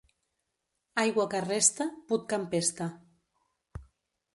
Aigua que resta, put que empesta.